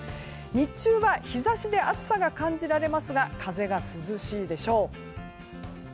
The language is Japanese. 日中は日差しで暑さが感じられますが風が涼しいでしょう。